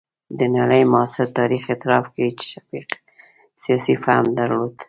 د نړۍ معاصر تاریخ اعتراف کوي چې شفیق سیاسي فهم درلود.